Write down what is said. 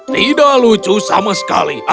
tidak lucu sama sekali